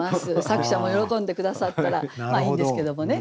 作者も喜んで下さったらいいんですけどもね。